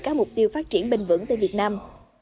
các mục tiêu phát triển bình vững tại việt nam